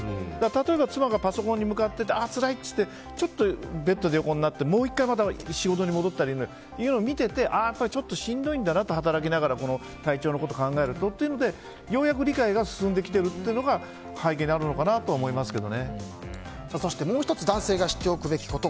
例えば妻がパソコンに向かっていてつらいって言ってベッドに横になってもう１回仕事に戻ったりを見ててちょっとしんどいんだなと働きながら体調のことを考えるというのでようやく理解が進んできているというのが背景にあるのかなとそしてもう１つ男性が知っておくべきこと